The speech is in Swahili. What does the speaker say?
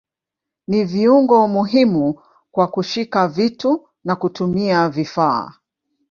Ni viungo muhimu kwa kushika vitu na kutumia vifaa.